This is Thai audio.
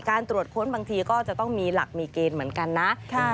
ตรวจค้นบางทีก็จะต้องมีหลักมีเกณฑ์เหมือนกันนะ